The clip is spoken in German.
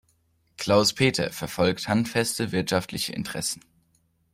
Klaus-Peter verfolgt handfeste wirtschaftliche Interessen.